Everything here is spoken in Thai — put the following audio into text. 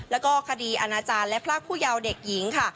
แล้วก็คดีอาณาจารย์และพรากผู้เยาว์เด็กหญิงค่ะ